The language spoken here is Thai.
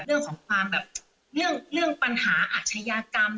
เรื่องของความแบบเรื่องเรื่องปัญหาอัธยากรรม